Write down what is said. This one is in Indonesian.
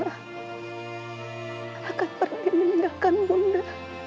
akan pergi meninggalkan bunda